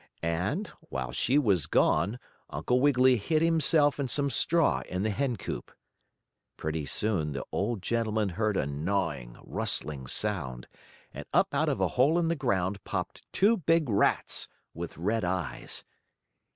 And, while she was gone, Uncle Wiggily hid himself in some straw in the hen coop. Pretty soon the old gentleman heard a gnawing, rustling sound and up out of a hole in the ground popped two big rats, with red eyes.